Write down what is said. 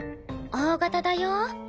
Ｏ型だよ。